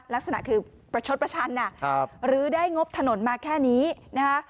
ลักษณะคือประชดประชันหรือได้งบถนนมาแค่นี้นะคะ